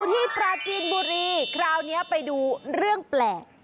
ที่ปราจีนบุรีคราวนี้ไปดูเรื่องแปลก